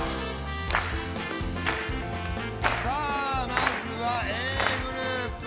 さあまずはＡグループ。